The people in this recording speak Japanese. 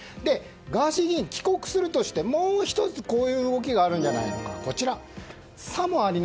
ガーシー議員、帰国するとしてもう１つ、こういう動きがあるんじゃないのか。